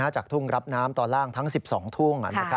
จากทุ่งรับน้ำตอนล่างทั้ง๑๒ทุ่ง